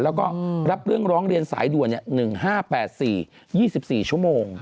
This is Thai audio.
แล้วก็รับเรื่องร้อยเรียนหนึ่งห้าแปดสี่ยี่สิบสี่ชั่วโมงเนอะ